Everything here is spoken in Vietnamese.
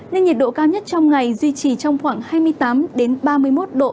nên nhiệt độ cao nhất trong ngày duy trì trong khoảng hai mươi tám ba mươi một độ